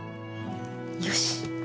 よし。